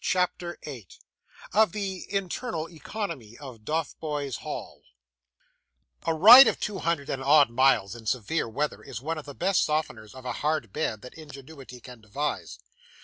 CHAPTER 8 Of the Internal Economy of Dotheboys Hall A ride of two hundred and odd miles in severe weather, is one of the best softeners of a hard bed that ingenuity can devise.